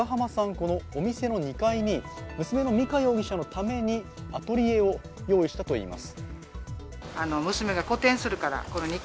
このお店の２階に娘の美香容疑者のためにアトリエを用意したといいます。